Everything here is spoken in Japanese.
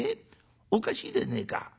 おかしいでねえか。